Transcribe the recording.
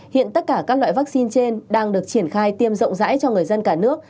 hiện tất cả các loại vaccine trên đang được triển khai tiêm rộng rãi cho người dân cả nước